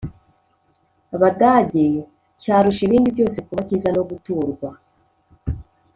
Abadage cyarusha ibindi byose kuba kiza no guturwa